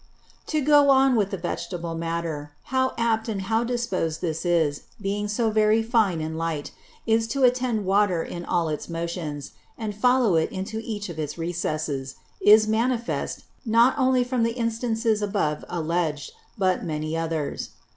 To go on with the Vegetable Matter, how apt and how much disposed this, being so very fine and light, is to attend Water in all its Motions, and follow it into each of its Recesses, is manifest, not only from the Instances above alledg'd, but many others.